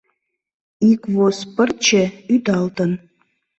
Ик воз пырче ӱдалтын